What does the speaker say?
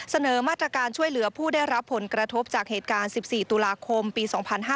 เสนอมาตรการช่วยเหลือผู้ได้รับผลกระทบจากเหตุการณ์๑๔ตุลาคมปี๒๕๕๙